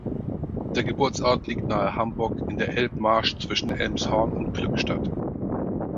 Der Geburtsort liegt nahe Hamburg in der Elbmarsch zwischen Elmshorn und Glückstadt.